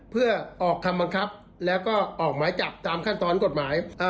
เพื่อออกคำบังคับแล้วก็ออกหมายจับตามขั้นตอนกฎหมาย